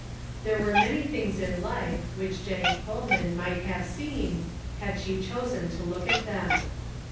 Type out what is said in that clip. There were many things in life, which Jennie Coleman might have seen had she chosen to look at them.